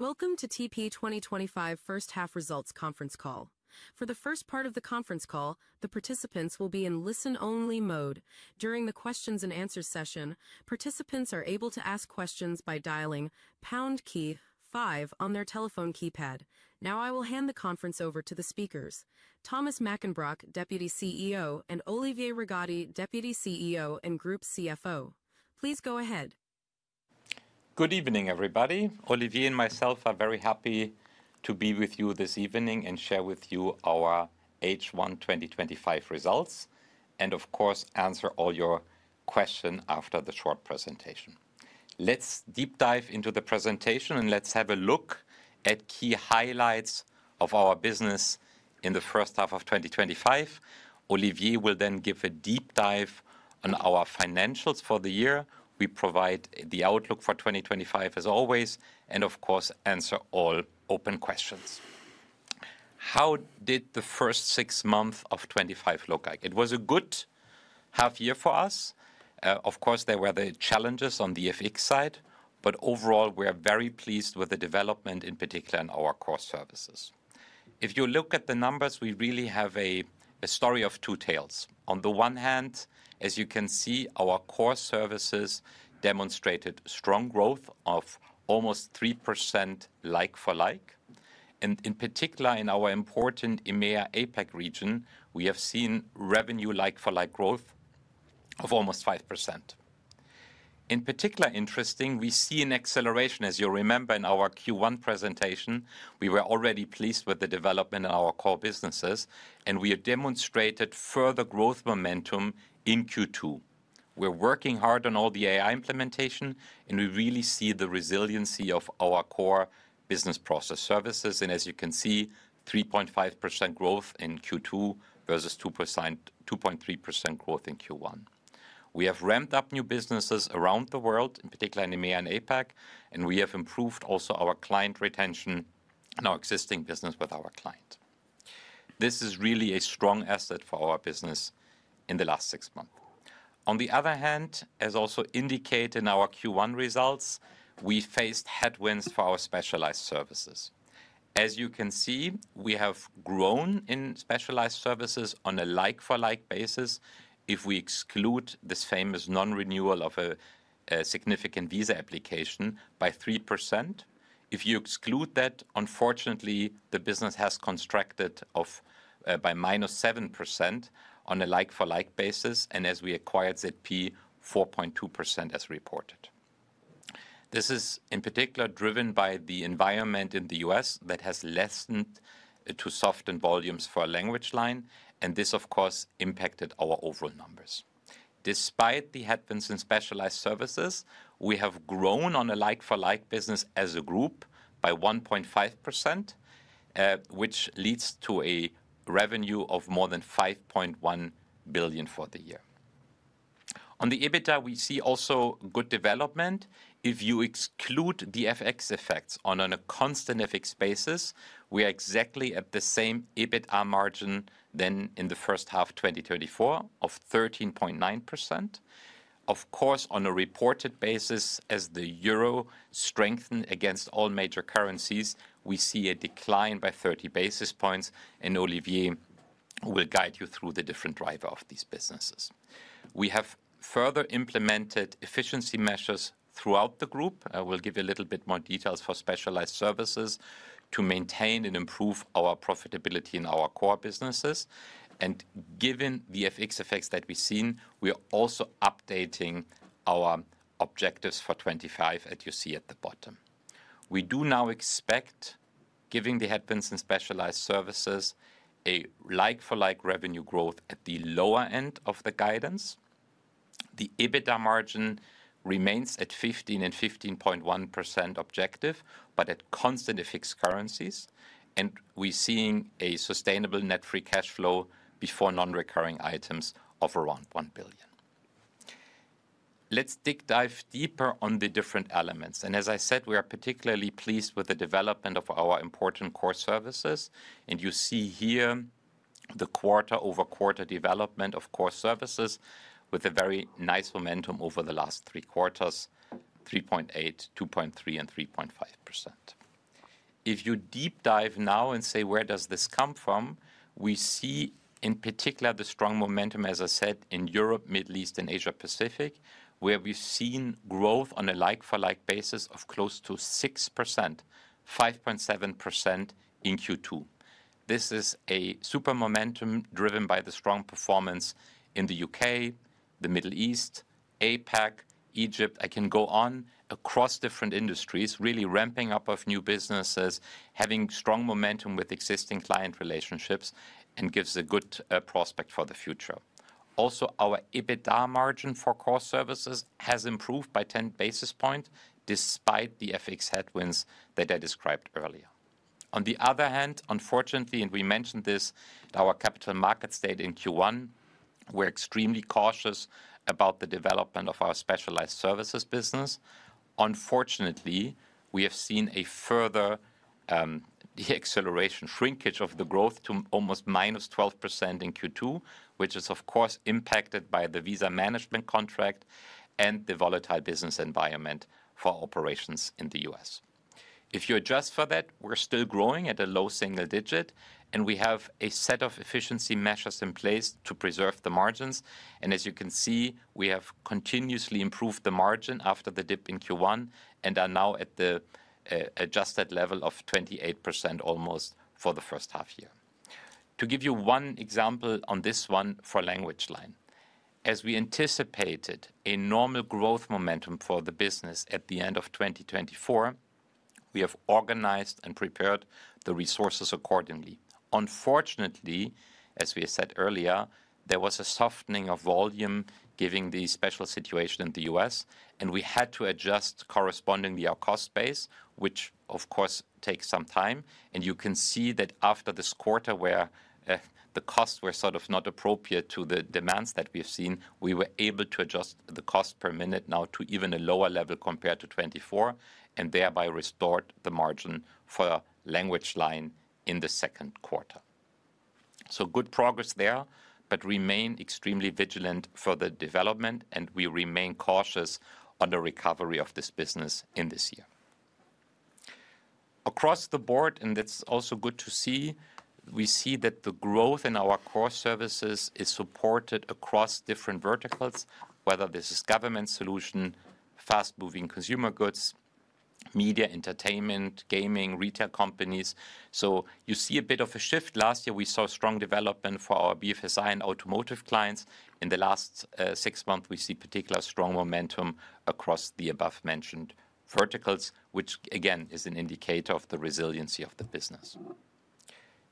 Welcome to TP2025 First Half Results Conference Call. For the first part of the conference call, the participants will be in listen only mode. During the questions and answers session, participants are able to ask questions by dialing 5 on their telephone keypad. Now I will hand the conference over to the speakers Thomas Mackenbrock, Deputy CEO, and Olivier Rigaudy, Deputy CEO and Group CFO. Please go ahead. Good evening everybody. Olivier and myself are very happy to be with you this evening and share with you our H1 2025 results and of course answer all your questions after the short presentation. Let's deep dive into the presentation and let's have a look at key highlights of our business in the first half of 2025. Olivier will then give a deep dive on our financials for the year. We provide the outlook for 2025 as always and of course answer all open questions. How did the first six months of 2025 look like? It was a good half year for us. Of course, there were the challenges on the FX side, but overall we are very pleased with the development, in particular in our core services. If you look at the numbers, we really have a story of two tails. On the one hand, as you can see, our core services demonstrated strong growth of almost 3% like-for-like and in particular in our important EMEA and APAC region we have seen revenue like-for-like growth of almost 5%. In particular, interesting. We see an acceleration, as you remember in our Q1 presentation, we were already pleased with the development in our core businesses and we have demonstrated further growth momentum in Q2. We're working hard on all the AI implementation and we really see the resiliency of our core business process services. As you can see, 3.5% growth in Q2 versus 2.3% growth in Q1. We have ramped up new businesses around the world, in particular EMEA and APAC, and we have improved also our client retention in our existing business with our clients. This is really a strong asset for our business in the last six months. On the other hand, as also indicated in our Q1 results, we faced headwinds for our specialized services. As you can see, we have grown in specialized services on a like-for-like basis if we exclude this famous non-renewal of a significant visa application, but by 3% if you exclude that. Unfortunately, the business has contracted by -7% on a like-for-like basis and as we acquired ZP, 4.2% as reported. This is in particular driven by the environment in the U.S. that has lessened to soften volumes for LanguageLine Solutions. This of course impacted our overall numbers. Despite the headwinds in specialized services, we have grown on a like-for-like basis as a group by 1.5% which leads to a revenue of more than 5.1 billion for the year. On the EBITDA, we see also good development if you exclude the FX effects. On a constant FX basis, we are exactly at the same EBITDA margin as in the first half 2024 of 13.9%. Of course, on a reported basis, as the Euro strengthened against all major currencies, we see a decline by 30 basis points. Olivier will guide you through the different drivers of these businesses. We have further implemented efficiency measures throughout the group. We'll give you a little bit more details for specialized services to maintain and improve our profitability in our core businesses. Given FX effects that we've seen, we are also updating our objectives for 2025. As you see at the bottom, we do now expect, given the headwinds in specialized services, a like-for-like revenue growth at the lower end of the guidance. The EBITDA margin remains at 15% and 15.1% objective, but at constant fixed currencies, and we are seeing a sustainable net free cash flow before non-recurring items of around 1 billion. Let's dive deeper on the different elements. As I said, we are particularly pleased with the development of our important core services. You see here the quarter-over-quarter development of core services with a very nice momentum over the last three quarters: 3.8%, 2.3%, and 3.5%. If you deep dive now and say where does this come from, we see in particular the strong momentum, as I said, in Europe, Middle East, and Asia Pacific, where we've seen growth on a like-for-like basis of close to 6%, 5.7% in Q2. This is a super momentum driven by the strong performance in the UK, the Middle East, APAC, and Egypt. I can go on across different industries, really ramping up of new businesses, having strong momentum with existing client relationships, and gives a good prospect for the future. Also, our EBITDA margin for core services has improved by 10 basis points despite the FX headwinds that I described earlier. On the other hand, unfortunately, and we mentioned this at our capital markets date in Q1, we're extremely cautious about the development of our specialized services business. Unfortunately, we have seen a further acceleration of shrinkage of the growth to almost minus 12% in Q2, which is of course impacted by the visa management contract and the volatile business environment for operations in the U.S. If you adjust for that, we're still growing at a low single digit, and we have a set of efficiency measures in place to preserve the margins. As you can see, we have continuously improved the margin after the dip in Q1 and are now at the adjusted level of 28% almost for the first half year. To give you one example on this one for LanguageLine Solutions, as we anticipated a normal growth momentum for the business at the end of 2024, we have organized and prepared the resources accordingly. Unfortunately, as we said earlier, there was a softening of volume given the special situation in the U.S., and we had to adjust correspondingly our cost base, which of course takes some time. You can see that after this quarter, where the costs were sort of not appropriate to the demands that we've seen, we were able to adjust the cost per minute now to even a lower level compared to 2024 and thereby restored the margin for LanguageLine Solutions in the second quarter. Good progress there, but we remain extremely vigilant for the development, and we remain cautious on the recovery of this business in this year across the board. It's also good to see we see that the growth in our core services is supported across different verticals, whether this is government solutions, fast-moving consumer goods, media, entertainment, gaming, retail companies. You see a bit of a shift. Last year, we saw strong development for our BFSI and automotive clients. In the last six months, we see particular strong momentum across the above-mentioned verticals, which again is an indicator of the resiliency of the business.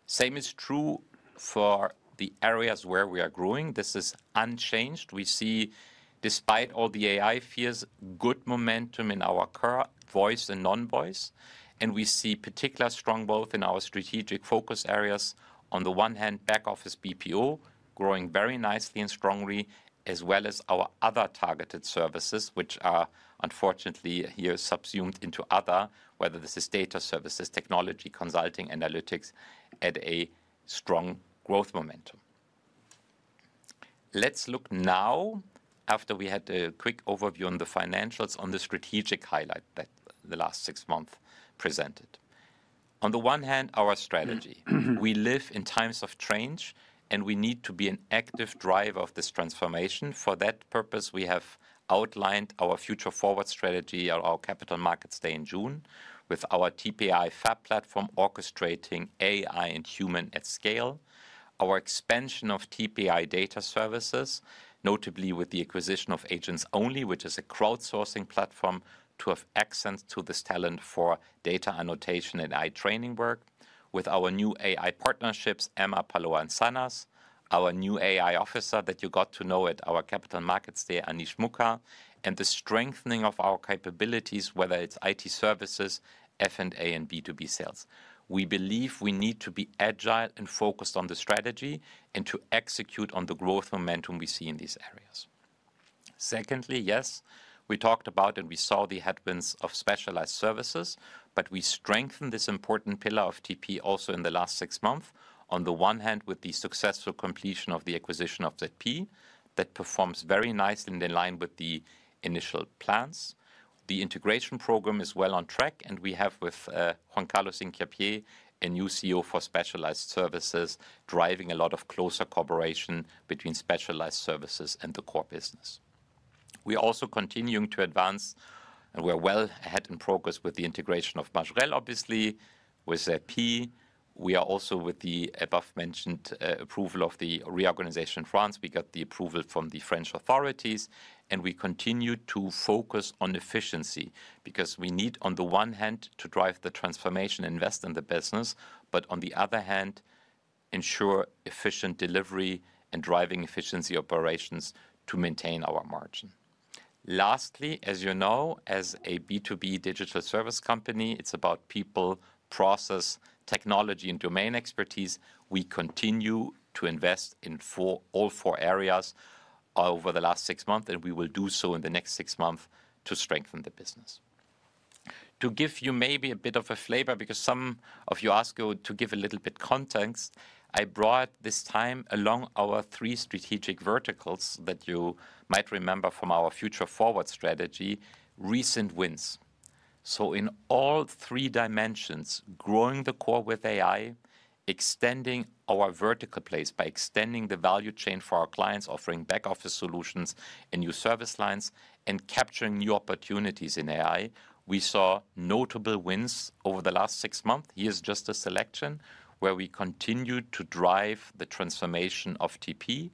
The same is true for the areas where we are growing. This is unchanged. We see, despite all the AI fears, good momentum in our core voice and non-voice, and we see particular strong growth in our strategic focus areas. On the one hand, back-office BPO growing very nicely and strongly, as well as our other targeted services, which are unfortunately here subsumed into other, whether this is data services, technology, consulting, analytics, at a strong growth momentum. Let's look now, after we had a quick overview on the financials, on the strategic highlight that the last six months presented. On the one hand, our strategy. We live in times of change, and we need to be an active driver of this transformation. For that purpose, we have outlined our future forward strategy, our capital market strategy in June with our TP FAB platform orchestrating AI and human at scale, our expansion of TP AI data services, notably with the acquisition of Agents Only, which is a crowdsourcing platform to have access to this talent for data annotation and AI training work, with our new AI partnerships, Ema Parloa and Sanas AI, our new AI officer that you got to know at our Capital Markets Day, Anish Mukker, and the strengthening of our capabilities, whether it's IT services and F&A and B2B sales. We believe we need to be agile and focused on the strategy and to execute on the growth momentum we see in these areas. Secondly, yes, we talked about and we saw the headwinds of specialized services, but we strengthened this important pillar of TP also in the last six months. On the one hand, with the successful completion of the acquisition of ZP that performs very nice and in line with the initial plans, the integration program is well on track, and we have with Juan Carlos Hincapie a new CEO for specialized services, driving a lot of closer cooperation between specialized services and the core business. We are also continuing to advance and we're well ahead in progress with the integration of Majorel, obviously with P. We are also, with the above-mentioned approval of the reorganization in France, we got the approval from the French authorities, and we continue to focus on efficiency because we need, on the one hand, to drive the transformation, invest in the business, but on the other hand, ensure efficient delivery and driving efficiency operations to maintain our margin. Lastly, as you know, as a B2B digital service company, it's about people, process, technology, and domain expertise. We continue to invest in all four areas over the last six months, and we will do so in the next six months to strengthen the business. To give you maybe a bit of a flavor, because some of you asked to give a little bit context, I brought this time along our three strategic verticals that you might remember from our future forward strategy. Recent wins, so in all three dimensions, growing the core with AI, extending our vertical place by extending the value chain for our clients, offering back-office solutions and new service lines, and capturing new opportunities in AI, we saw notable wins over the last six months. Here's just a selection where we continue to drive the transformation of Teleperformance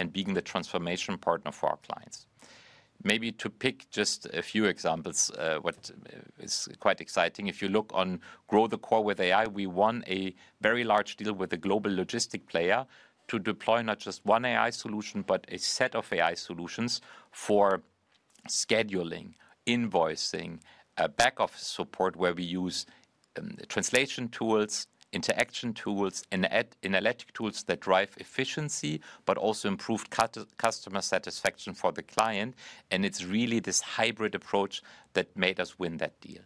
and being the transformation partner for our clients. Maybe to pick just a few examples, what is quite exciting if you look on Grow the core with AI, we won a very large deal with a global logistics player to deploy not just one AI solution, but a set of AI solutions for scheduling, invoicing, back-office support where we use translation tools, interaction tools, analytic tools that drive efficiency, but also improved customer satisfaction for the client. It's really this hybrid approach that made us win that deal.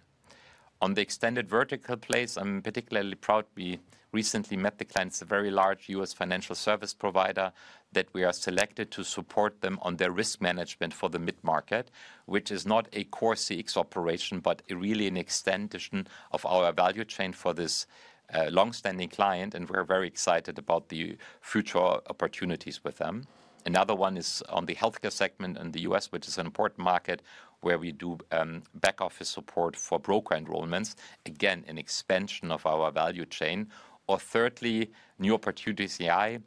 On the extended vertical plays, I'm particularly proud we recently met the clients, a very large U.S. financial service provider, that we are selected to support them on their risk management for the mid-market, which is not a core CX operation but really an extension of our value chain for this long-standing client, and we're very excited about the future opportunities with them. Another one is on the healthcare segment in the U.S., which is an important market where we do back-office support for broker enrollments, again an expansion of our value chain. Or thirdly, new opportunities AI.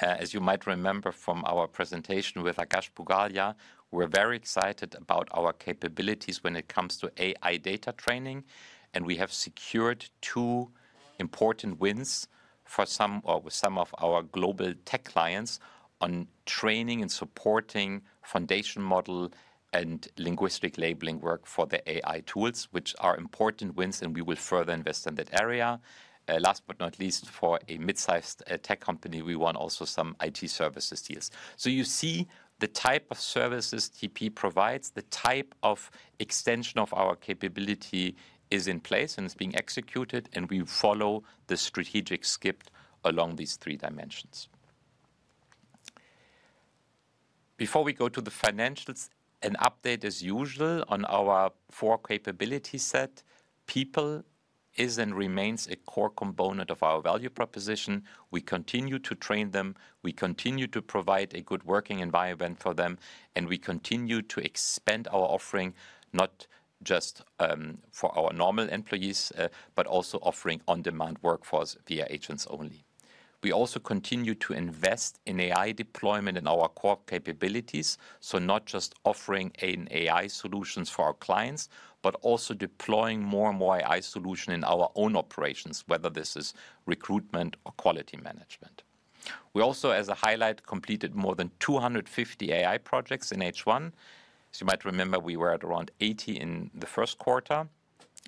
As you might remember from our presentation with Akash Pugalia, we're very excited about our capabilities when it comes to AI data training, and we have secured two important wins for some of our global tech clients on training and supporting foundation model and linguistic labeling work for the AI tools, which are important wins, and we will further invest in that area. Last but not least, for a mid-sized tech company, we won also some IT services deals. You see the type of services Teleperformance provides, the type of extension of our capability is in place and is being executed, and we follow the strategic script along these three dimensions. Before we. Go to the financials. An update as usual on our four capability set. People is and remains a core component of our value proposition. We continue to train them, we continue to provide a good working environment for them, and we continue to expand our offering not just for our normal employees but also offering on demand workforce via Agents Only. We also continue to invest in AI deployment in our core capabilities, not just offering AI solutions for our clients but also deploying more and more AI solutions in our own operations, whether this is recruitment or quality management. We also, as a highlight, completed more than 250 AI projects in H1. As you might remember, we were at around 80 in the first quarter,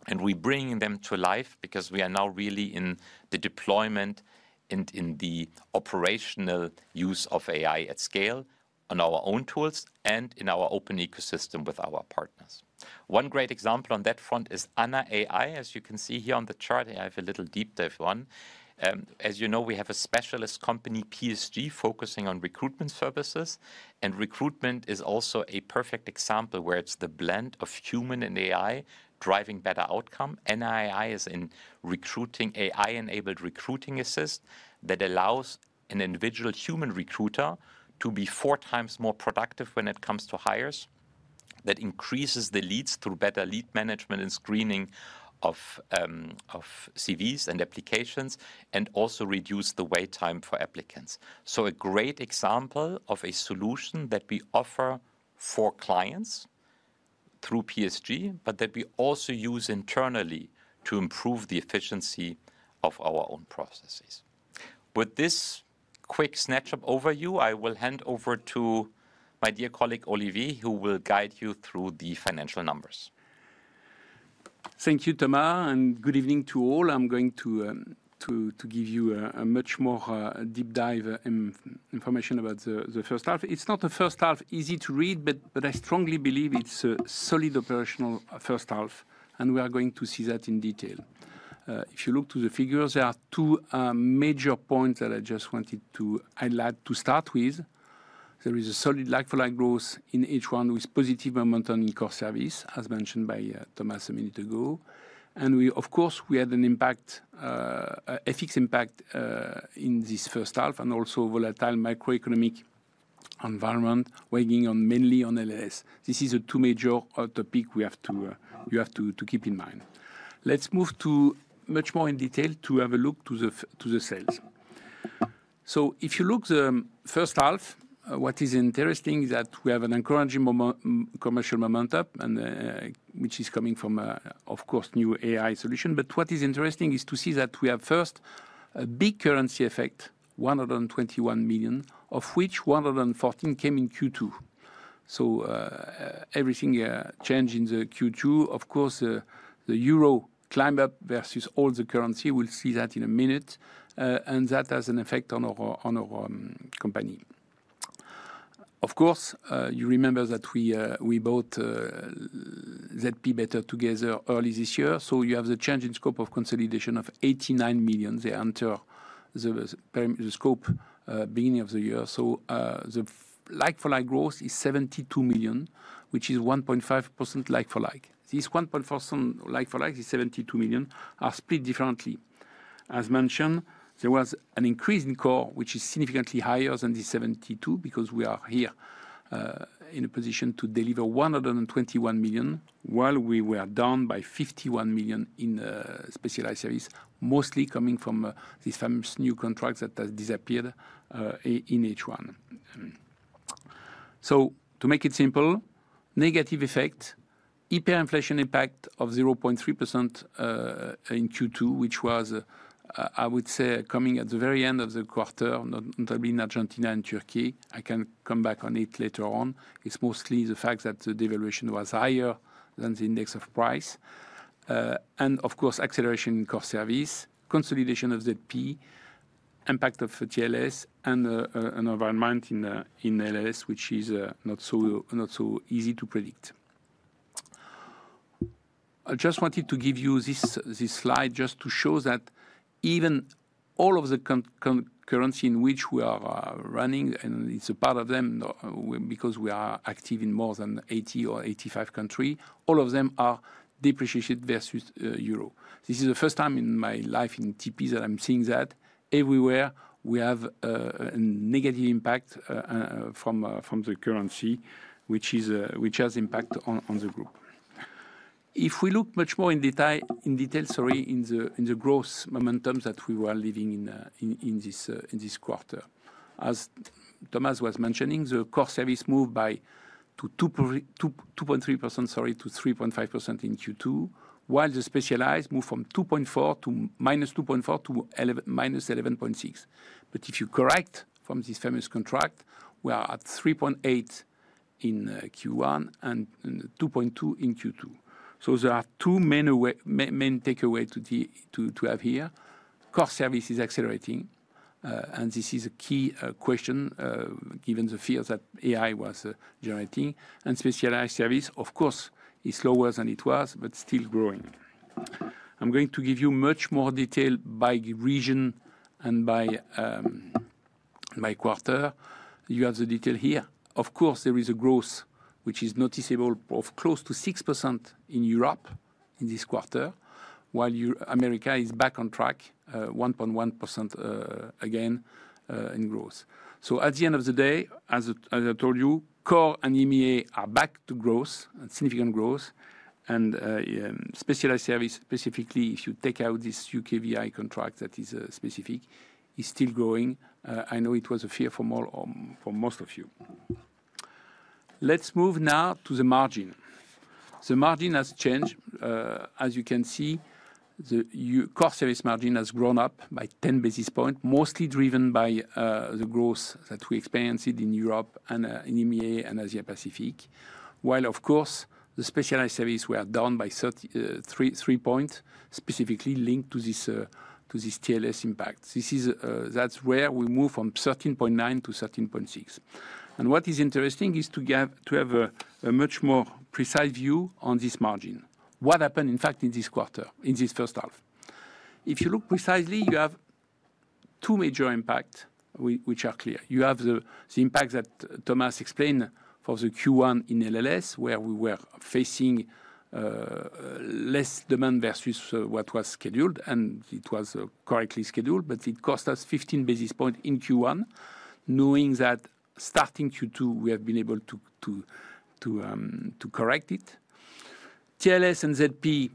and we are bringing them to life because we are now really in the deployment and in the operational use of AI at scale on our own tools and in our open ecosystem with our partners. One great example on that front is Anna AI. As you can see here on the chart, I have a little deep dive. As you know, we have a specialist company PSG focusing on recruitment services, and recruitment is also a perfect example where it's the blend of human and AI driving better outcome. Anna AI is in recruiting AI enabled recruiting assist that allows an individual human recruiter to be four times more productive when it comes to hires. That increases the leads through better lead management and screening of CVs and applications and also reduces the wait time for applicants. A great example of a solution that we offer for clients through PSG but that we also use internally to improve the efficiency of our own processes. With this quick snatch up overview, I will hand over to my dear colleague Olivier who will guide you through the financial numbers. Thank you, Thomas, and good evening to all. I'm going to give you a much more deep dive information about the first half. It's not the first half easy to read, but I strongly believe it's a solid operational first half and we are going to see that in detail. If you look to the figures, there are two major points that I just wanted to highlight. To start with, there is a solid like-for-like growth in each one with positive momentum in core service as mentioned by Thomas a minute ago. We of course had an impact, a FX impact in this first half and also volatile macroeconomic environment weighing on mainly on LanguageLine Solutions. This is a two major topic we have to keep in mind. Let's move to much more in detail to have a look to the sales. If you look the first half, what is interesting is that we have an encouraging commercial moment up and which is coming from of course new AI solution. What is interesting is to see that we have first a big currency effect, 121 million of which 114 million came in Q2. Everything changed in Q2. The euro climbed up versus all the currency. We'll see that in a minute. That has an effect on our company. You remember that we bought ZP better together early this year. You have the change in scope of consolidation of 89 million. They enter the scope beginning of the year. The like-for-like growth is 72 million which is 1.5%. Like-for-like this 1.4 like-for-like is 72 million are split differently. As mentioned, there was an increase in core which is significantly higher than the 72 million because we are here in a position to deliver 121 million while we were down by 51 million in specialized service, mostly coming from these famous new contracts that has disappeared in H1. To make it simple, negative effect, hyperinflation impact of 0.3% in Q2 which was I would say coming at the very end of the quarter in Argentina and Turkey. I can come back on it later on. It's mostly the fact that the devaluation was higher than the index of price and of course acceleration in core service consolidation of the P impact of TLS and an environment in LanguageLine Solutions which is not so easy to predict. I just wanted to give you this slide just to show that even all of the currency in which we are running and it's a part of them because we are active in more than 80 or 85 countries. All of them are depreciation versus euro. This is the first time in my life in TP that I'm seeing that everywhere we have negative impact from the currency, which has impact on the group. If we look much more in detail in the growth momentum that we were leaving in this quarter, as Thomas was mentioning, the core service moved to 3.5% in Q2, while the specialized moved from minus 2.4% to minus 11.6%. If you correct from this famous contract, we are at 3.8% in Q1 and 2.2% in Q2. There are two main takeaways to have here. Core service is accelerating, and this is a key question given the field that AI was generating. Specialized service, of course, is slower than it was, but still growing. I'm going to give you much more detail by region and by region, by quarter. You have the detail here. There is a growth which is noticeable of close to 6% in Europe in this quarter, while America is back on track, 1.1% again in growth. At the end of the day, as I told you, core and EMEA are back to growth, significant growth, and specialized service specifically, if you take out this UKVI contract that is specific, is still growing. I know it was a fear for most of you. Let's move now to the margin. The margin has changed, as you can see. The core service margin has grown up by 10 basis points, mostly driven by the growth that we experienced in Europe and in EMEA and Asia Pacific. The specialized service was down by three points, specifically linked to this TLS impact. That's where we move from 13.9% to 13.6%. What is interesting is to have a much more precise view on this margin. What happened in fact in this quarter, in this first half, if you look precisely, you have two major impacts which are clear. You have the impact that Thomas explained for the Q1 in LanguageLine Solutions, where we were facing less demand versus what was scheduled, and it was correctly scheduled. It cost us 15 basis points in Q1. Knowing that starting Q2, we have been able to correct it. TLS and ZP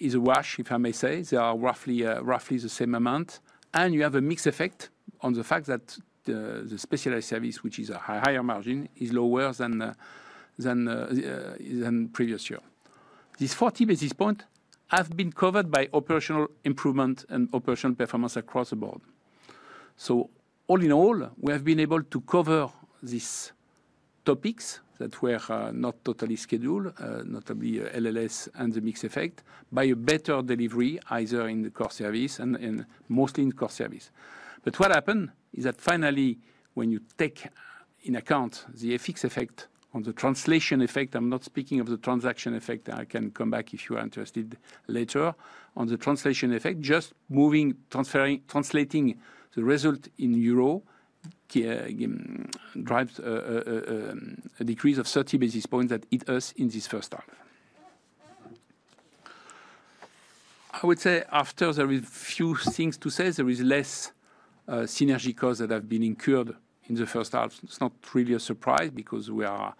is a wash, if I may say. They are roughly the same amount. You have a mix effect on the fact that the specialized service, which is a higher margin, is lower than previous year. These 40 basis points have been covered by operational improvement and operational performance across the board. All in all, we have been able to cover these topics that were not totally scheduled, notably LanguageLine Solutions and the mix effect, by a better delivery either in the core service and mostly in core service. What happened is that finally when you take into account the FX effect on the translation effect. I'm not speaking of the transaction effect. I can come back if you are interested later on the translation effect. Just moving, translating the result in Euro drives a decrease of 30 basis points that hit us in this first half. I would say after, there are few things to say. There is less synergy costs that have been incurred in the first half. It's not really a surprise because we are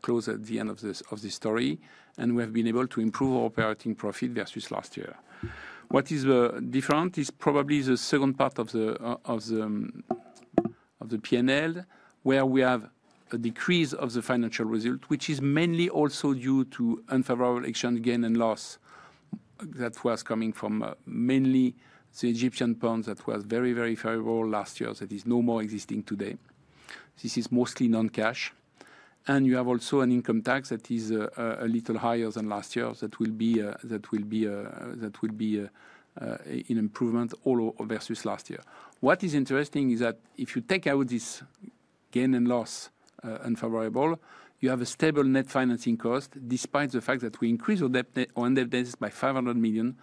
close to the end of this story and we have been able to improve operating profit versus last year. What is different is probably the second part of the P&L where we have a decrease of the financial result, which is mainly also due to unfavorable exchange gain and loss that was coming from mainly the Egyptian pounds that was very, very favorable last year that is no more existing today. This is mostly non-cash. You have also an income tax that is a little higher than last year that will be an improvement versus last year. What is interesting is that if you take out this gain and loss unfavorable, you have a stable net financing cost despite the fact that we increased our debt by 500 million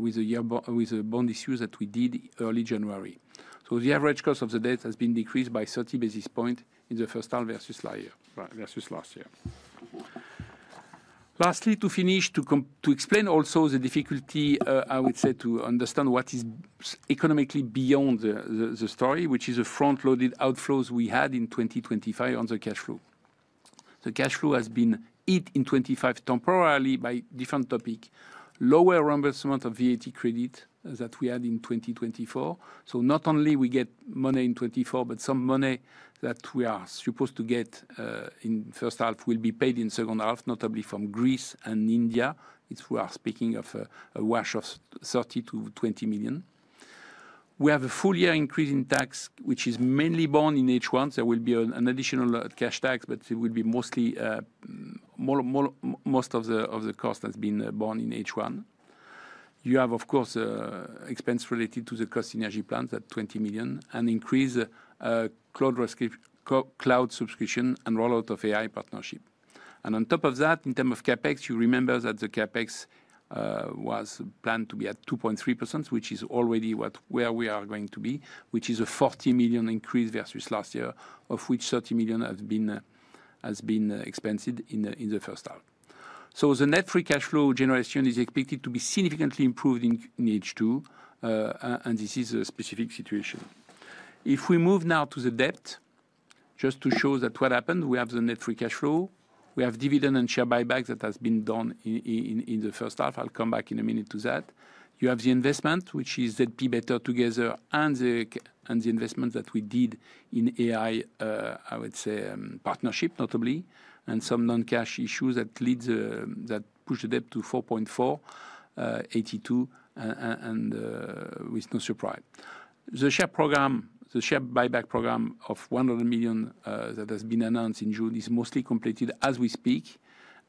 with the bond issue that we did early January. The average cost of the debt has been decreased by 30 basis points in the first half versus last year. Lastly, to finish, to explain also the difficulty, I would say, to understand what is economically beyond the story, which is a front-loaded outflow we had in 2025 on the cash flow. The cash flow has been hit in 2025 temporarily by different topics. Lower reimbursement of VAT credit that we had in 2024. Not only did we get money in 2024, but some money that we are supposed to get in first half will be paid in second half, notably from Greece and India. We are speaking of a wash of 30 million to 20 million. We have a full year increase in tax, which is mainly borne in H1. There will be an additional cash tax, but most of the cost has been borne in H1. You have, of course, expense related to the cost synergy plans at 20 million and increased cloud subscription and rollout of AI partnership. On top of that, in terms of CapEx, you remember that the CapEx was planned to be at 2.3%, which is already where we are going to be, which is a 40 million increase versus last year, of which 30 million has been expensed in the first half. The net free cash flow generation is expected to be significantly improved in H2. This is a specific situation. If we move now to the debt, just to show what happened, we have the net free cash flow, we have dividend and share buyback that has been done in the first half. I'll come back in a minute to that. You have the investment, which is ZP better together, and the investments that we did in AI, I would say partnership notably, and some non-cash issues that push the debt to 4.482 billion. With no surprise, the share buyback program of 100 million that has been announced in June is mostly completed as we speak,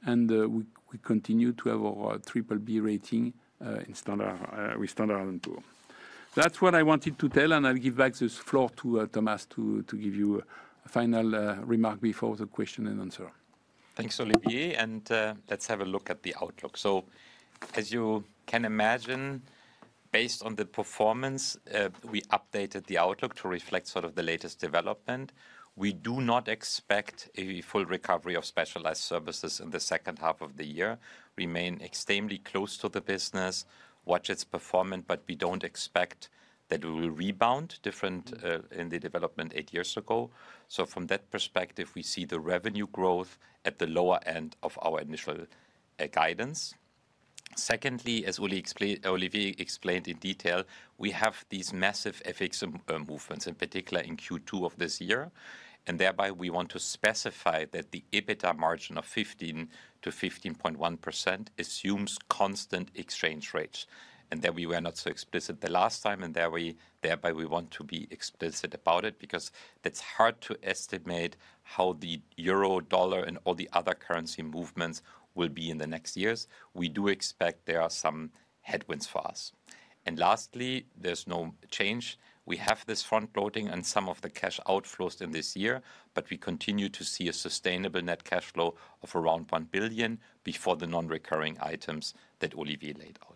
and we continue to have our BBB rating with Standard & Poor’s. That's what I wanted to tell, and I'll give back the floor to Thomas to give you a final remark before the question and answer. Thanks Olivier. Let's have a look at the outlook. As you can imagine, based on the performance we updated the outlook to reflect the latest development. We do not expect a full recovery of specialized services in the second half of the year, remain extremely close to the business, watch its performance, but we don't expect that we will rebound different in the development eight years ago. From that perspective, we see the revenue growth at the lower end of our initial guidance. Secondly, as Olivier explained in detail, we have these massive FX movements, in particular in Q2 of this year, and we want to specify that the EBITDA margin of 15% to 15.1% assumes constant exchange rates. We were not so explicit the last time and we want to be explicit about it because it's hard to estimate how the Euro, dollar, and all the other currency movements will be in the next years. We do expect there are some headwinds for us. Lastly, there's no change. We have this front loading and some of the cash outflows in this year, but we continue to see a sustainable net cash flow of around 1 billion before the non-recurring items that Olivier laid out.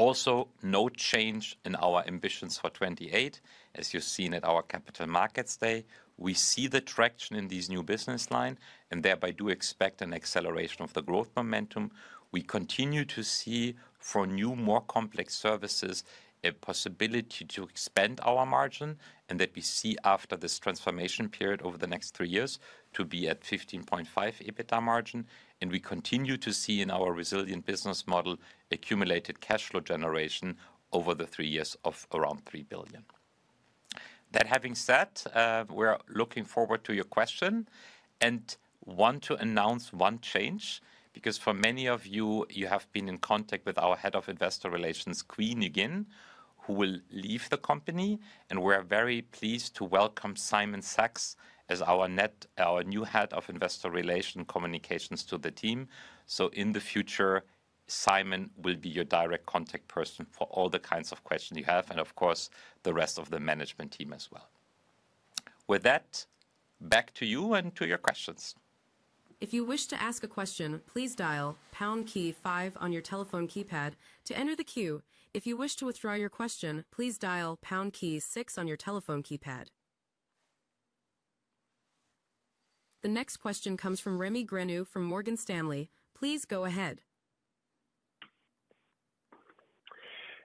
Also, no change in our ambitions for 2028. As you've seen at our Capital Markets Day, we see the traction in these new business lines and do expect an acceleration of the growth momentum. We continue to see for new, more complex services a possibility to expand our margin and that we see after this transformation period over the next three years to be at 15.5% EBITDA margin. We continue to see in our resilient business model accumulated cash flow generation over the three years of around 3 billion. That having been said, we are looking forward to your questions and want to announce one change because for many of you, you have been in contact with our Head of Investor Relations, Quinn Yegin, who will leave the company. We are very pleased to welcome Simon Sachs as our new Head of Investor Relations Communications to the team. In the future, Simon will be your direct contact person for all the kinds of questions you have and of course the rest of the management team as well. With that, back to you and to your questions. If you wish to ask a question, please dial key 5 on your telephone keypad to enter the queue. If you wish to withdraw your question, please dial key 6 on your telephone keypad. The next question comes from Remi Grenu from Morgan Stanley. Please go ahead.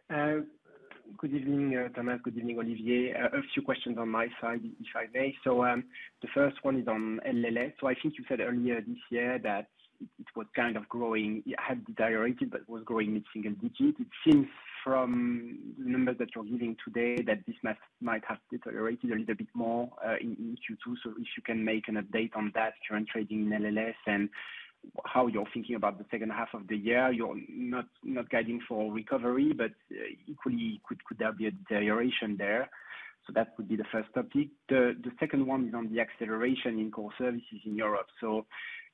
Good evening, Thomas. Good evening, Olivier. A few questions on my side, if I may. The first one is on LLs. I think you said earlier this year that it was kind of growing, had deteriorated, but was growing mid single digit. It seems from the numbers that you're giving today that this might have deteriorated a little bit more in Q2. If you can make an update on that current trading in LLs and how you're thinking about the second half of the year, you're not guiding for recovery, but equally could there be a deterioration there? That would be the first topic. The second one is on the acceleration in core services in Europe.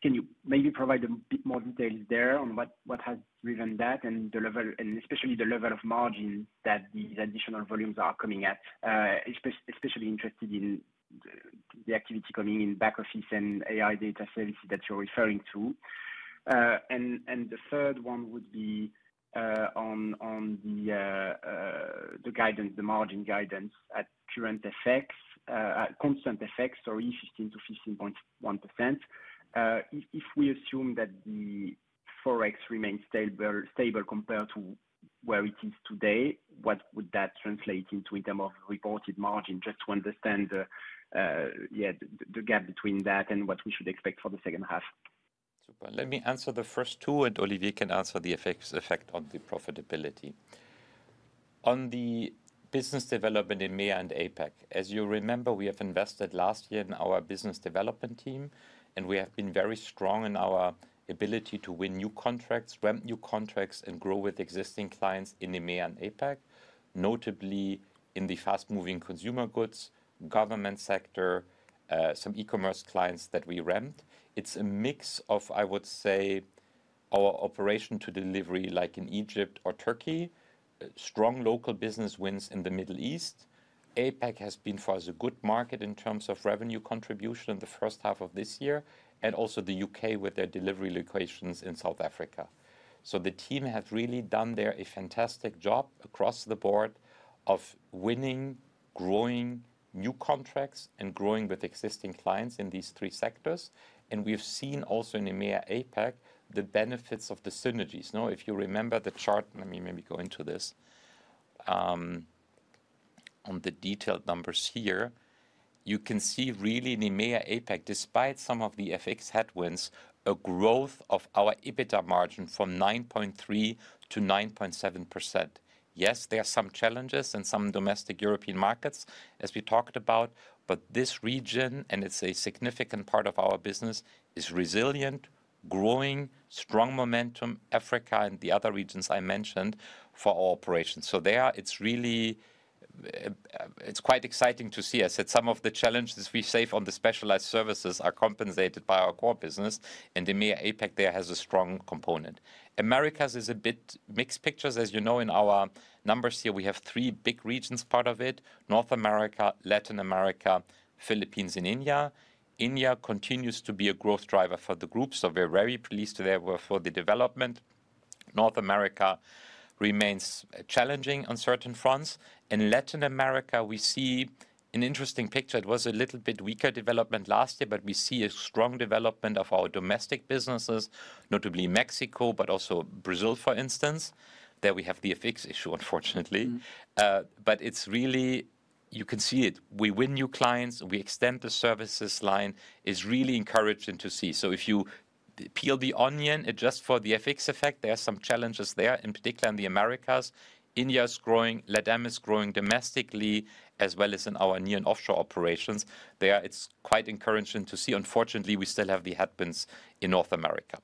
Can you maybe provide a bit more detail there on what has driven that and the level, and especially the level of margin that these additional volumes are coming at? Especially interested in the activity coming in back-office BPO and AI data services that you're referring to. The third one would be on the guidance, the margin guidance at current FX, constant FX or 15% to 15.1%. If we assume that the Forex remains stable compared to where it is today, what would that translate into in terms of reported margin? Just to understand the gap between that and what we should expect for the. Second half, let me answer the first two and Olivier can answer. The effect on the profitability on the business development in EMEA and APAC. As you remember, we have invested last year in our business development team and we have been very strong in our ability to win new contracts, rent new contracts, and grow with existing clients in EMEA and APAC, notably in the fast-moving consumer goods government sector. Some e-commerce clients that we ramped. It's a mix of, I would say, our operation to delivery like in Egypt or Turkey, strong local business wins in the Middle East. APAC has been for us a good market in terms of revenue contribution in the first half of this year and also the UK with their delivery locations in South Africa. The team has really done there a fantastic job across the board of winning, growing new contracts, and growing with existing clients in these three sectors. We have seen also in EMEA, APAC the benefits of the synergies. If you remember the chart, let me maybe go into this on the detailed numbers. Here you can see really in EMEA, APAC, despite some of the FX headwinds, a growth of our EBITDA margin from 9.3% to 9.7%. Yes, there are some challenges in some domestic European markets as we talked about, but this region, and it's a significant part of our business, is resilient, growing, strong momentum. Africa and the other regions I mentioned for our operations. There it's really, it's quite exciting to see. I said some of the challenges we save on the specialized services are compensated by our core business and the APAC there has a strong component. Americas is a bit mixed pictures. As you know, in our numbers here we have three big regions, part of it North America, Latin America, Philippines, and India. India continues to be a growth driver for the group. We're very pleased there for the development. North America remains challenging on certain fronts. In Latin America, we see an interesting picture. It was a little bit weaker development last year, but we see a strong development of our domestic businesses, notably Mexico, but also Brazil for instance. There we have the FX issue unfortunately, but it's really, you can see it, we win new clients, we extend the services line, it's really encouraging to see. If you peel the onion, adjust for the FX effect, there are some challenges there in particular in the Americas. India is growing, LATAM is growing domestically as well as in our near and offshore operations there. It's quite encouraging to see. Unfortunately, we still have the headwinds in North America.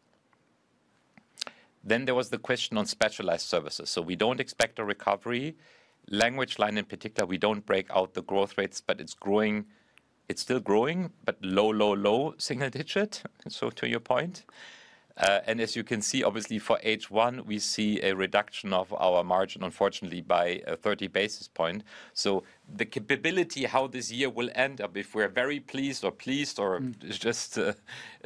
There was the question on specialized services. We don't expect a recovery. LanguageLine Solutions in particular, we don't break out the growth rates, but it's growing, it's still growing, but low, low, low single digit. To your point, as you can see, obviously for H1 we see a reduction of our margin unfortunately by 30 basis points. The capability, how this year will end up, if we are very pleased or pleased or is just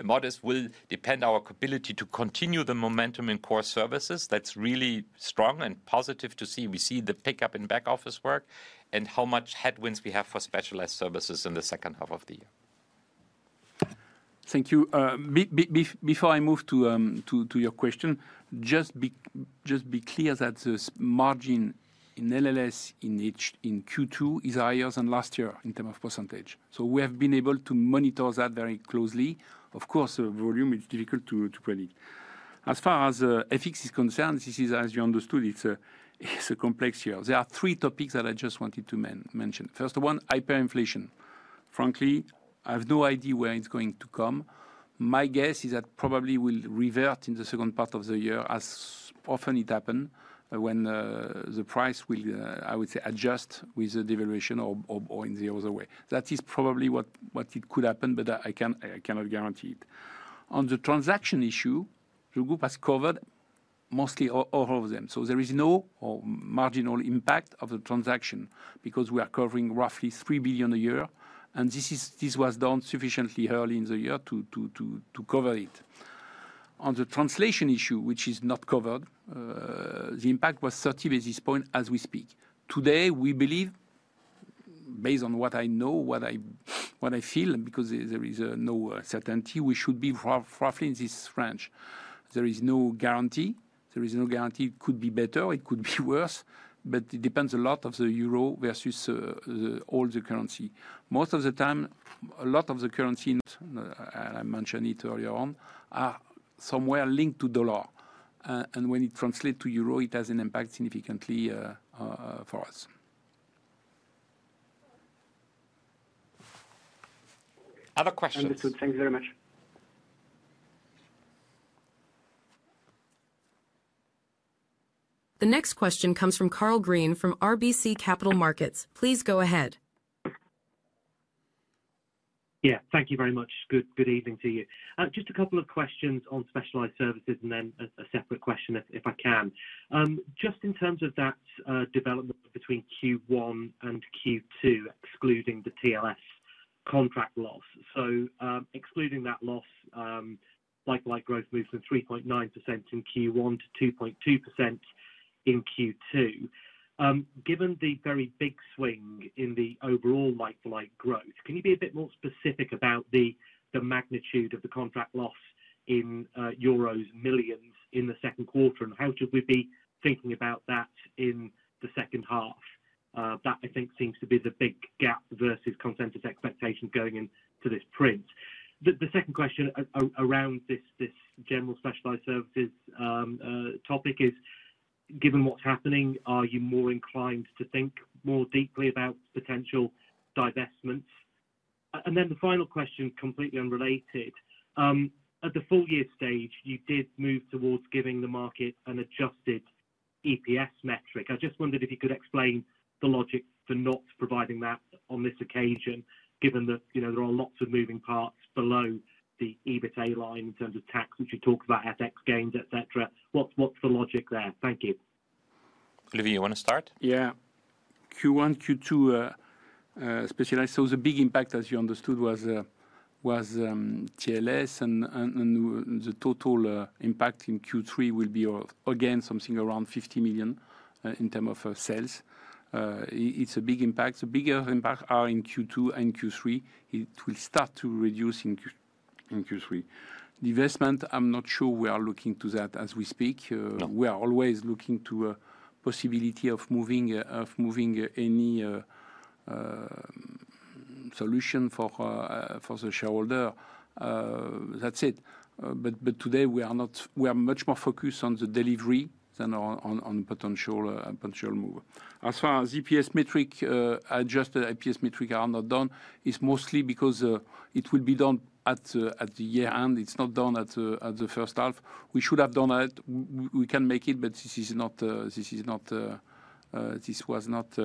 modest, will depend on our ability to continue the momentum in core services. That's really strong and positive to see. We see the pickup in back-office BPO work and how much headwinds we have for specialized services in the second half of the year. Thank you. Before I move to your question, just be clear that the margin in LanguageLine Solutions in Q2 is higher than last year in terms of %. We have been able to monitor that very closely. Of course, volume is difficult to predict as far as FX is concerned. This is, as you understood, it's a complex year. There are three topics that I just wanted to mention. First one, hyperinflation. Frankly, I have no idea where it's going to come. My guess is that probably will revert in the second part of the year as often it happens when the price will, I would say, adjustment with the devaluation or in the other way. That is probably what could happen, but I cannot guarantee it. On the transaction issue, the group has covered mostly all of them. There is no marginal impact of the transaction because we are covering roughly 3 billion a year and this was done sufficiently early in the year to cover it. On the translation issue, which is not covered, the impact was 30. At this point, as we speak today, we believe, based on what I know, what I feel, because there is no certainty, we should be roughly in this range. There is no guarantee. It could be better, it could be worse, but it depends. A lot of the Euro versus all the currency, most of the time a lot of the currency, I mentioned it earlier on, are somewhere linked to dollar and when it translates to Euro it has an impact significantly for us. Other questions. Understood. Thank you very much. The next question comes from Karl Green from RBC Capital Markets. Please go ahead. Yeah, thank you very much. Good evening to you. Just a couple of questions on specialized services and then a separate question if I can. Just in terms of that development between Q1 and Q2, excluding the TLScontact contract loss, so excluding that loss, like-for-like growth moved from 3.9% in Q1 to 2.2% in Q2. Given the very big swing in the overall like-for-like growth, can you be a bit more specific about the magnitude of the contract loss in Euros millions in the second quarter? How should we be thinking about that in the second half? That, I think, seems to be the big gap versus consensus expectations going into this print. The second question around this general specialized services topic is, given what's happening, are you more inclined to think more deeply about potential divestments? The final question, completely unrelated, at the full year stage you did move towards giving the market an adjusted EPS metric. I just wondered if you could explain the logic for not providing that on this occasion. Given that there are lots of moving parts below the EBITDA line in terms of tax, which you talked about, FX gains, etc., what's the logic there? Thank you. Livy, you want to start? Yeah. Q1, Q2 specialized. The big impact, as you understood, was TLScontact, and the total impact in Q3 will be again something around 50 million in terms of sales. It's a big impact. The bigger impacts are in Q2 and Q3. It will start to reduce in Q3. Investment, I'm not sure we are looking to that as we speak. We are always looking to a possibility of moving, of moving any solution for the shareholder. That's it. Today we are not, we are much more focused on the delivery than on potential move. As far as EPS metric, adjusted EPS metric are not done, it's mostly because it will be done at the year end, it's not done at the first half. We should have done it, we can make it. This was not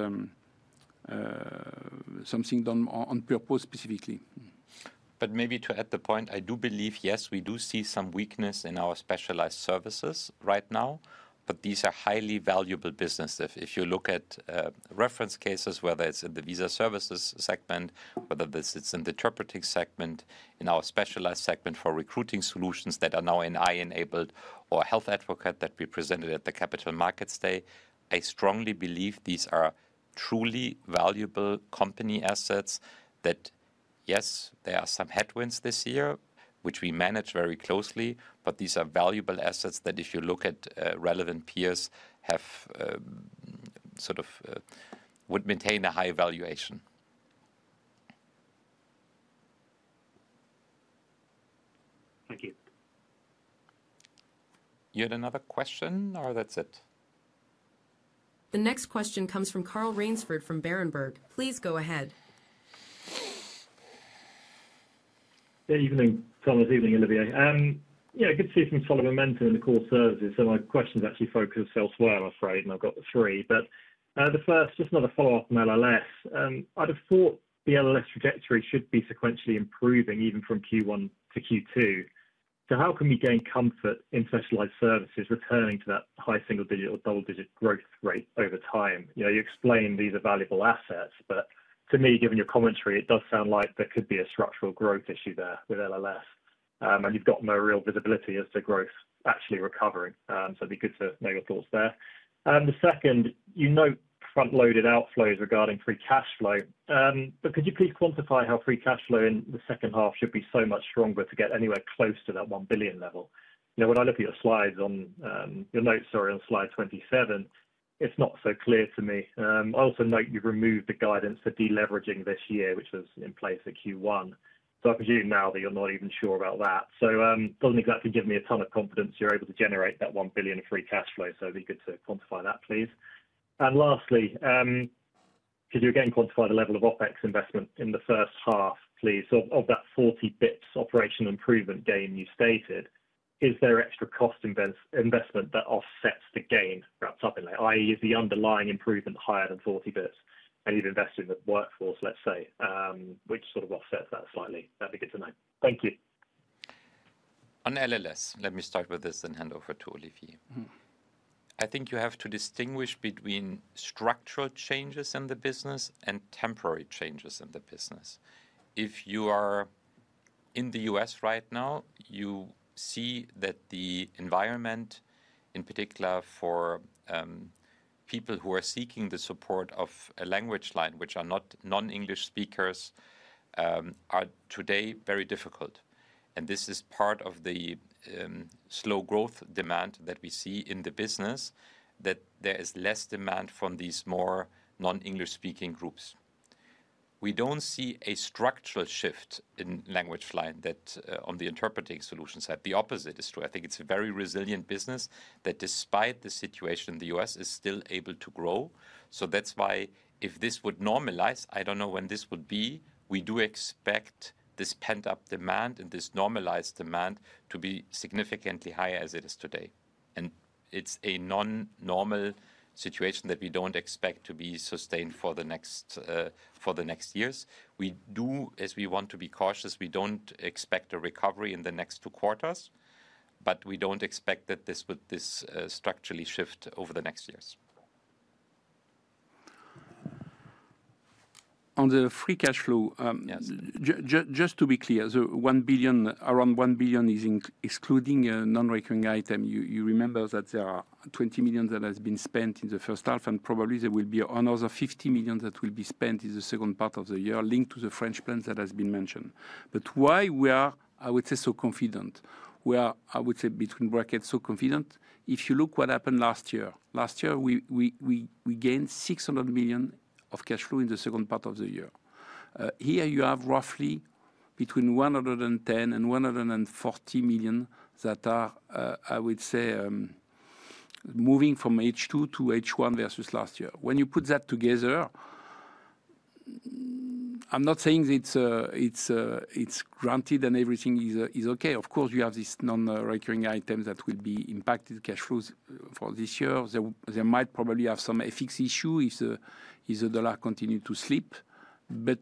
something done on purpose specifically. Maybe to add the point, I do believe yes we do see some weakness in our specialized services right now, but these are highly valuable businesses. If you look at reference cases, whether it's in the visa services segment, whether this is in the interpreting segment, in our specialized segment for recruiting solutions that are now AI enabled or Health Advocate that we presented at the Capital Markets Day, I strongly believe these are truly valuable company assets. Yes, there are some headwinds this year which we manage very closely, but these are valuable assets that if you look at relevant peers would maintain a high valuation. Thank you. You had another question, or that's it. The next question comes from Carl Raynsford from Berenberg. Please go ahead. Good evening, Thomas. Evening, Olivier. Yeah, good to see some solid momentum in the core services. My questions actually focus elsewhere I'm afraid. I've got three, but the first, just another follow up from LanguageLine Solutions. I'd have thought the LanguageLine Solutions trajectory should be sequentially improving even from Q1 to Q2. How can we gain comfort in specialized services returning to that high single digit or double digit growth rate over time? You explained these are valuable assets. To me, given your commentary, it does sound like there could be a structural growth issue there with LanguageLine Solutions and you've got no real visibility as to growth actually recovering. It'd be good to know your thoughts there. The second, you note front loaded outflows regarding free cash flow. Could you please quantify how free cash flow in the second half should be so much stronger to get anywhere close to that 1 billion level? When I look at your slides, on your notes, sorry, on slide 27, it's not so clear to me. I also note you've removed the guidance for deleveraging this year which was in place at Q1. I presume now that you're not even sure about that. It doesn't exactly give me a ton of confidence you're able to generate that 1 billion free cash flow. It'd be good to quantify that, please. Lastly, could you again quantify the level of OpEx investment in the first half, please? Of that 40 bps operational improvement gain you stated, is there extra cost investment that offsets the gain wrapped up in, i.e., is the underlying improvement higher than 40 bps and you've invested in the workforce, let's say, which sort of offsets that slightly? That'd be good to know. Thank you. On LanguageLine Solutions. Let me start with this and hand over to Olivier. I think you have to distinguish between structural changes in the business and temporary changes in the business. If you are in the U.S. right now, you see that the environment in particular for people who are seeking the support of a language line, which are not non-English speakers, are today very difficult. This is part of the slow growth demand that we see in the business, that there is less demand from these more non-English speaking groups. We don't see a structural shift in LanguageLine on the interpreting solutions; the opposite is true. I think it's a very resilient business that, despite the situation in the U.S., is still able to grow. If this would normalize, I don't know when this would be. We do expect this pent-up demand and this normalized demand to be significantly higher as it is today. It's a non-normal situation that we don't expect to be sustained for the next years. We do, as we want to be cautious, we don't expect a recovery in the next two quarters, but we don't expect that this would structurally shift over the next years. On the free cash flow. Just to be clear, 1 billion, around 1 billion is excluding non-recurring items. You remember that there are 20 million that has been spent in the first half and probably there will be another 50 million that will be spent in the second part of the year linked to the French plans that has been mentioned. Why we are, I would say, so confident. We are, I would say between brackets, so confident if you look what happened last year. Last year we gained 600 million of cash flow in the second part of the year. Here you have roughly between 110 million and 140 million that are, I would say, moving from H2 to H1 versus last year. When you put that together, I'm not saying it's granted and everything is okay. Of course, you have these non-recurring items that will be impacting cash flows for this year. They might probably have some fixed issue if the dollar continues to slip. We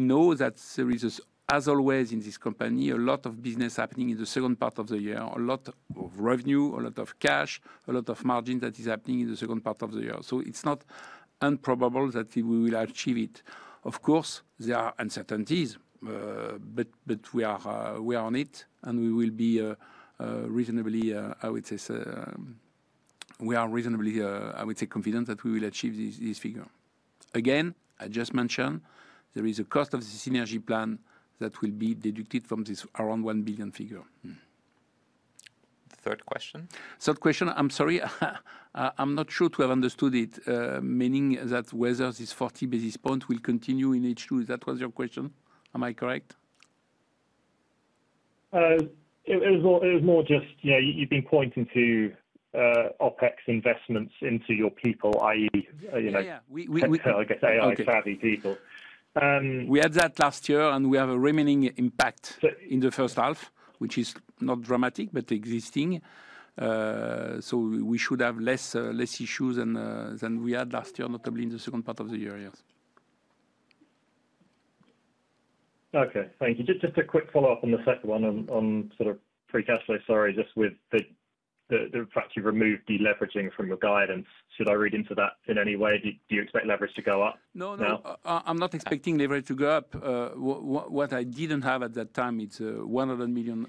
know that there is, as always in this company, a lot of business happening in the second part of the year. A lot of revenue, a lot of cash, a lot of margin that is happening in the second part of the year. It's not improbable that we will achieve it. Of course, there are uncertainties but we are on it and we will be reasonably, I would say, we are reasonably, I would say, confident that we will achieve this figure. Again, I just mentioned there is a cost of the Synergy plan that will be deducted from this around 1 billion figure. Third question, third question. I'm sorry, I'm not sure to have understood it. Meaning that whether this 40 billion, this point will continue in H2. That was your question, am I correct? It was more just, you know, you've been pointing to OpEx investments into your people. That is, you know, I guess AI savvy people. We had that last year, and we have a remaining impact in the first half, which is not dramatic but existing. We should have less issues than we had last year, notably in the second part of the year. Okay, thank you. Just a quick follow-up on the second one on sort of free cash flow. Sorry, just with the fact you've removed deleveraging from your guidance, should I read into that in any way? Do you expect leverage to go up? No, no, I'm not expecting leverage to go up. What I didn't have at that time is the 100 million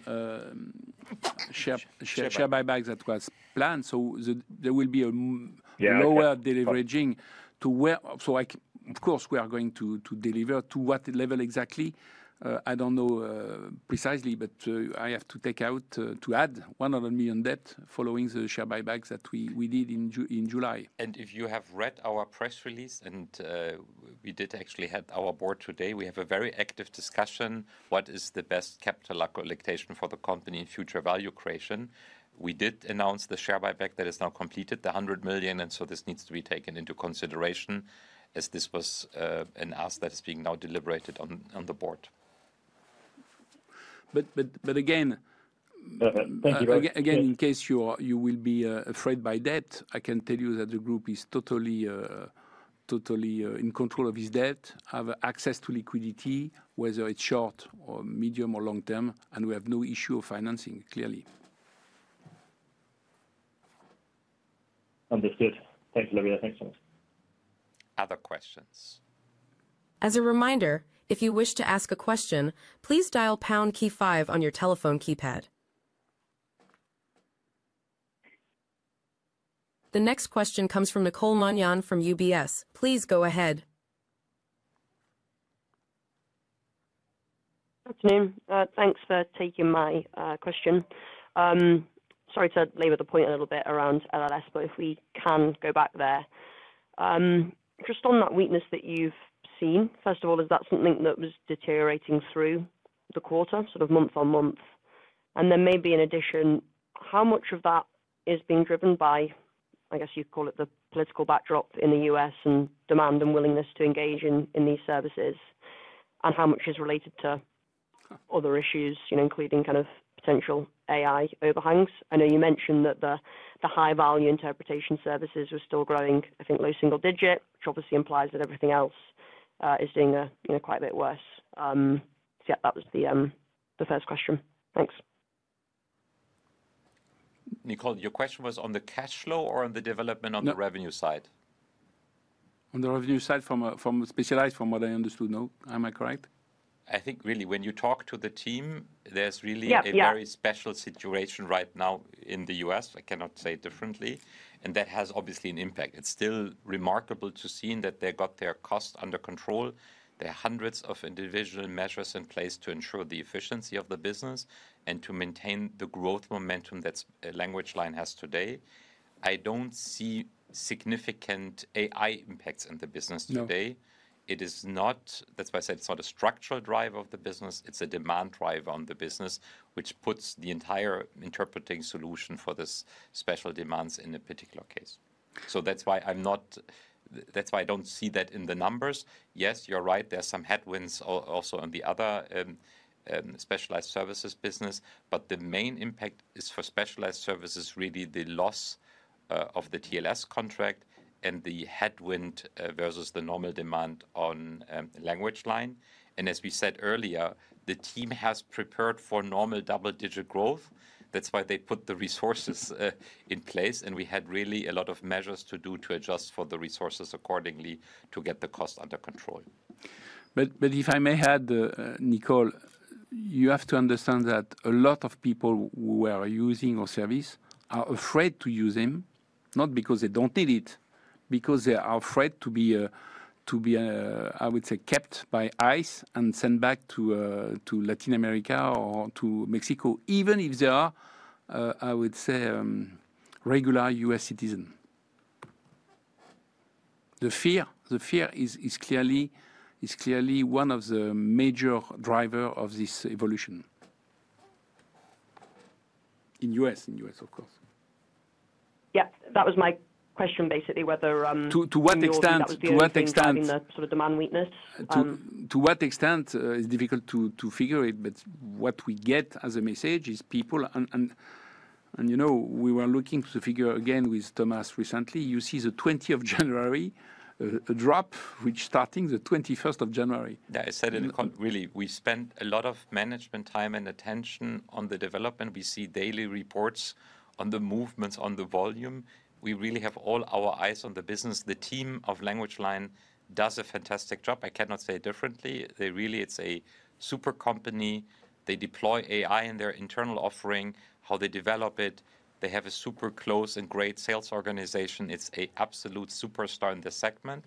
share buybacks that was planned. There will be a lower deleveraging. We are going to deliver. To what level exactly? I don't know precisely, but I have to add 100 million debt following the share buybacks that we did in July. If you have read our press release and we did actually have our board today, we have a very active discussion. What is the best capital allocation for the company in future value creation? We did announce the share buyback that is now completed, the 100 million, and this needs to be taken into consideration as this was an ask that is being now deliberated on the board. Thank you very much again. In case you will be afraid by debt, I can tell you that the group is totally in control of its debt, has access to liquidity whether it's short or medium or long term, and we have no issue of financing, clearly. Understood. Thanks Olivier. Thanks so much. Other questions. As a reminder, if you wish to ask a question, please dial key 5 on your telephone keypad. The next question comes from Nicole Manion from UBS. Please go ahead. Good afternoon. Thanks for taking my question. Sorry to labor the point a little bit around LanguageLine Solutions, but if we can go back there just on that weakness that you've seen. First of all, is that something that was deteriorating through the quarter, sort of month on month, and then maybe in addition, how much of that is being driven by, I guess you'd call it the political backdrop in the U.S. and demand and willingness to engage in these services, and how much is related to other issues including kind of potential AI overhangs. I know you mentioned that the high value interpretation services were still growing, I think low single digit, which obviously implies that everything else is doing quite a bit worse. That was the first question. Thanks. Nicole, your question was on the cash flow or on the development on the revenue side? On the revenue side from specialized, from what I understood. Am I correct? I think really when you talk to the team, there's really a very special situation right now in the U.S. I cannot say differently and that has obviously an impact. It's still remarkable to see that they got their costs under control. There are hundreds of individual measures in place to ensure the efficiency of the business and to maintain the growth momentum that LanguageLine Solutions has today. I don't see significant AI impacts in the business today. It is not. That's why I said it's not a structural drive of the business, it's a demand drive on the business which puts the entire interpreting solution for this special demands in a particular case. That's why I'm not. That's why I don't see that in the numbers. Yes, you're right. There's some headwinds also on the other side, specialized services business. The main impact is for specialized services really the loss of the TLScontact contract and the headwind versus the normal demand on LanguageLine Solutions. As we said earlier, the team has prepared for normal double-digit growth. That's why they put the resources in place and we had really a lot of measures to do to adjust for the resources accordingly to get the cost under control. If I may add, Nicole, you have to understand that a lot of people who are using our service are afraid to use them, not because they don't need it, but because they are afraid to be, I would say, kept by ICE and sent back to Latin America or to Mexico, even if they are, I would say, regular U.S. citizens. The fear is clearly one of the major drivers of this evolution in us, in U.S. of course. Yeah, that was my question, basically whether. To what extent sort of demand weakness, to what extent. It's difficult to figure it but what we get as a message is people, and you know, we were looking to figure again with Thomas recently. You see the 20th of January, a drop which starting the 21st of January I. Said it really, we spent a lot of management time and attention on the development. We see daily reports on the movements, on the volume. We really have all our eyes on the business. The team of LanguageLine Solutions does a fantastic job. I cannot say differently. It's a super company. They deploy AI in their internal offering, how they develop it. They have a super close and great sales organization. It's an absolute superstar in this segment.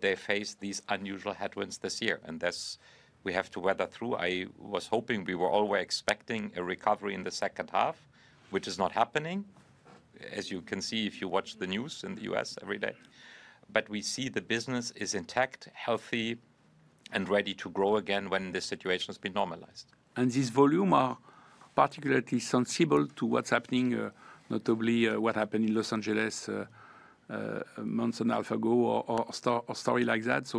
They face these unusual headwinds this year, and this we have to weather through. I was hoping. We were always expecting a recovery in the second half, which is not happening as you can see if you watch the news in the U.S. every day. We see the business is intact and healthy and ready to grow again when this situation has been normalized. These volumes are particularly sensitive to what's happening, notably what happened in Los Angeles a month and a half ago or a story like that.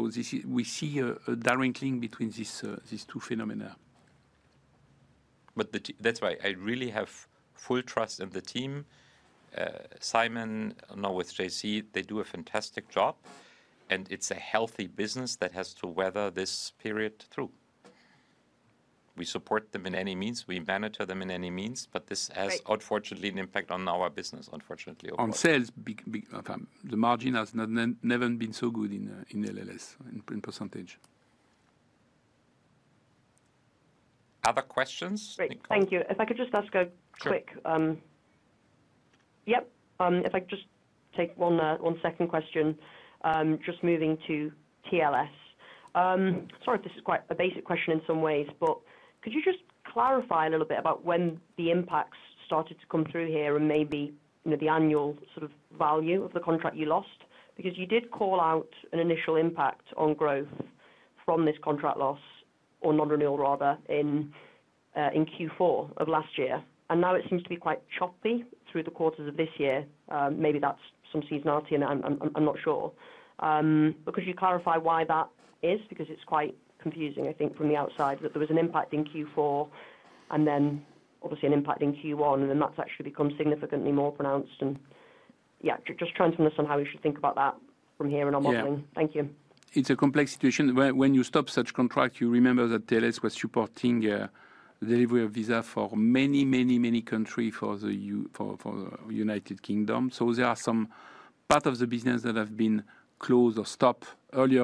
We see a direct link between these two phenomena. That is why I really have full trust in the team. Simon now with JC. They do a fantastic job, and it's a healthy business that has to weather this period through. We support them in any means, we monitor them in any means. This has unfortunately an impact on our business. Unfortunately, on sales, the margin has never been so good in LanguageLine Solutions in %. Other questions. Thank you. If I could just ask a quick question. Yep. If I just take one second question. Just moving to TLScontact. Sorry, this is quite a basic question in some ways, but could you just clarify a little bit about when the impacts started to come through here and maybe the annual sort of value of the contract you lost? Because you did call out an initial impact on growth from this contract loss or non-renewal rather in Q4 of last year, and now it seems to be quite choppy through the quarters of this year. Maybe that's some seasonality, and I'm not sure. Could you clarify why that is? Because it's quite confusing. I think from the outside that there was an impact in Q4 and then obviously an impact in Q1, and then that's actually become significantly more pronounced. I'm just trying to understand how we should think about that from here in our modeling. Thank you. It's a complex situation when you stop such contracts. You remember that TLScontact was supporting delivery of visa for many, many, many countries for the United Kingdom. There are some parts of the business that have been closed or stopped earlier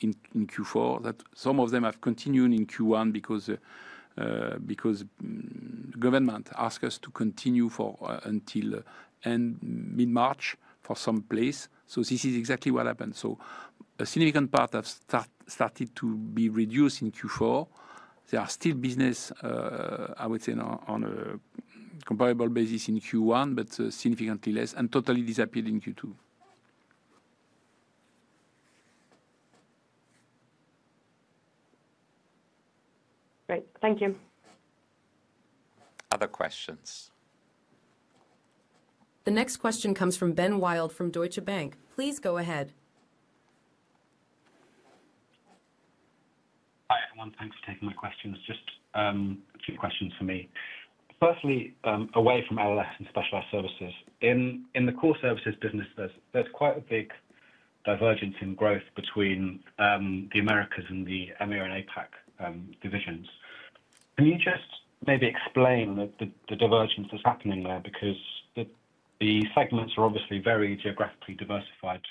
in Q4, and some of them have continued in Q1 because government asked us to continue until end mid-March for some places. This is exactly what happened. A significant part started to be reduced in Q4. There is still business, I would say, on a comparable basis in Q1 but significantly less, and it totally disappeared in Q2. Great, thank you. Other questions. The next question comes from Ben Wild from Deutsche Bank. Please go ahead. Hi everyone, thanks for taking my questions. Just a few questions for me. Firstly, away from LanguageLine Solutions and specialized services, in the core services business, there's quite a big divergence in growth between the Americas and the EMEA and APAC divisions. Can you just maybe explain the divergence that's happening there? The segments are obviously very geographically diversified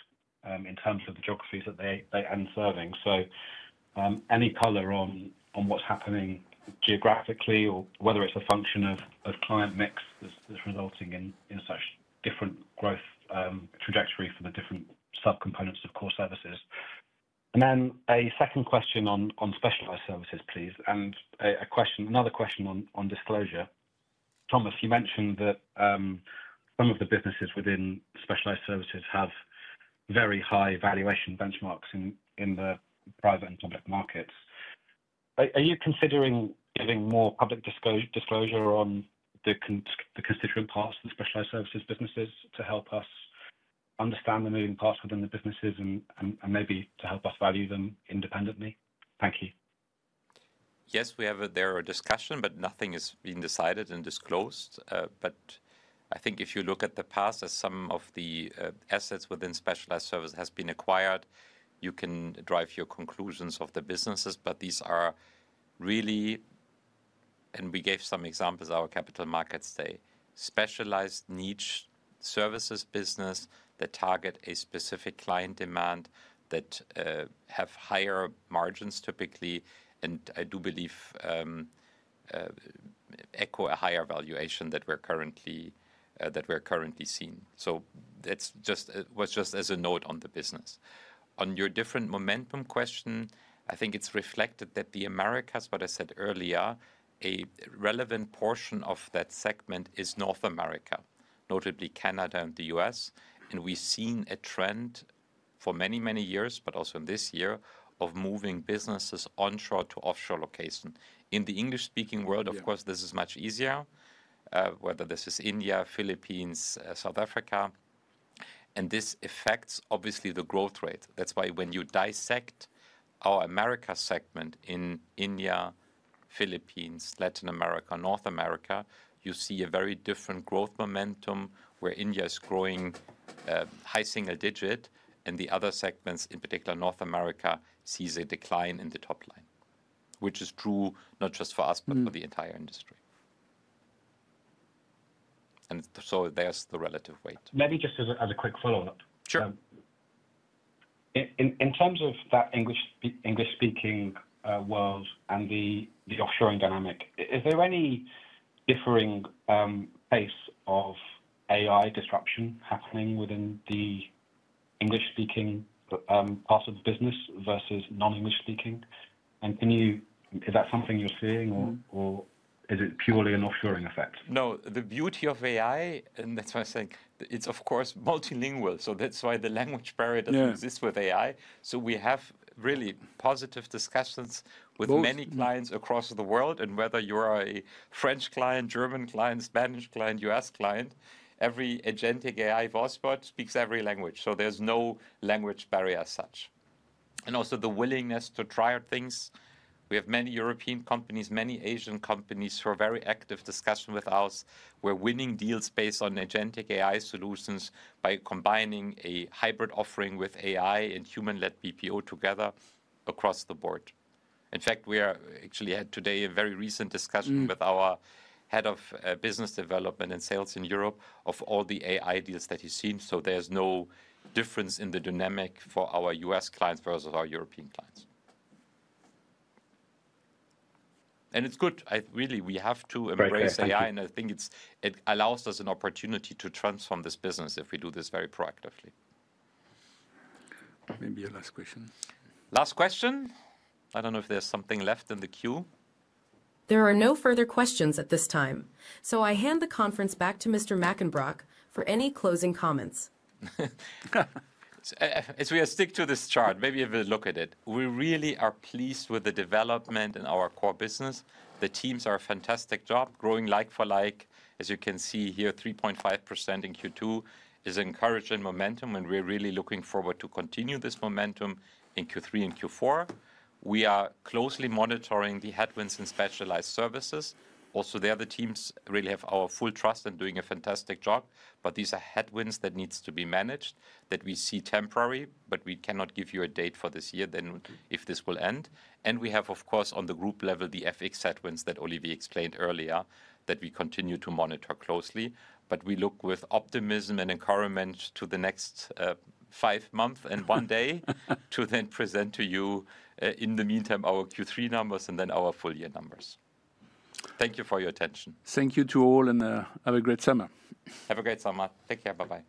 in terms of the geographies that they end serving. Any color on what's happening geographically or whether it's a function of client mix that's resulting in such different growth trajectory for the different subcomponents of core services? A second question on specialized services please. Another question on disclosure. Thomas, you mentioned that some of the businesses within specialized services have very high valuation benchmarks in the private and public markets. Are you considering giving more public disclosure on the constituent parts of the specialized services businesses to help us understand the moving parts within the businesses and maybe to help us value them independently? Thank you. Yes, we have there a discussion but nothing has been decided and disclosed. I think if you look at the past as some of the assets within specialized services have been acquired, you can drive your conclusions of the businesses. These are really, and we gave some examples at our Capital Markets Day, specialized niche services businesses that target a specific client demand that have higher margins typically, and I do believe echo a higher valuation than we're currently seeing. That was just as a note on the business. On your different momentum question, I think it's reflected that the Americas, what I said earlier, a relevant portion of that segment is North America, notably Canada and the U.S., and we've seen a trend for many, many years, but also in this year of moving businesses onshore to offshore locations in the English-speaking world. Of course, this is much easier whether this is India, Philippines, South Africa, and this affects obviously the growth rate. That's why when you dissect our Americas segment in India, Philippines, Latin America, North America, you see a very different growth momentum where India is growing high single digit and the other segments, in particular North America, see a decline in the top line, which is true not just for us but for the entire industry. There's the relative weight. Maybe just as a quick follow-up. Sure. In terms of that English-speaking world and the offshoring dynamic, is there any differing face of AI disruption happening within the English-speaking part of business versus non-English-speaking? Is that something you're seeing, or is it purely an offshoring effect? No, the beauty of AI. That's why I say it's of course multilingual. That's why the language barrier doesn't exist with AI. We have really positive discussions with many clients across the world, and whether you are a French client, German client, Spanish client, U.S. client, every agent speaks every language, so there's no language barrier as such. Also, the willingness to try out things. We have many European companies, many Asian companies who are in very active discussion with us. We're winning deals based on agentic AI solutions by combining a hybrid offering with AI and human-led BPO together across the board. In fact, we actually had today a very recent discussion with our Head of Business Development and Sales in Europe of all the ideas that he's seen. There's no difference in the dynamic for our U.S. clients versus our European clients. It's good. We have to embrace AI, and I think it allows us an opportunity to transform this business if we do this very proactively. Maybe a last question, last question. I don't know if there's something left in the queue. There are no further questions at this time. I hand the conference back to Mr. Mackenbrock for any closing comments. As we stick to this chart, maybe we'll look at it. We really are pleased with the development in our core business. The teams are a fantastic job, growing like for like. As you can see here, 3.5% in Q2 is encouraging momentum and we're really looking forward to continue this momentum in Q3 and Q4. We are closely monitoring the headwinds in specialized services also. There the teams really have our full trust in doing a fantastic job. These are headwinds that need to be managed. We see them as temporary, but we cannot give you a date for this year if this will end. We have, of course, on the group level, the FX headwinds that Olivier explained earlier that we continue to monitor closely. We look with optimism and encouragement to the next five months and one day to then present to you in the meantime our Q3 numbers and then our full year numbers. Thank you for your attention. Thank you to all and have a great summer. Have a great summer. Take care. Bye-bye.